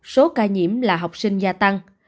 số ca nhiễm là học sinh gia tăng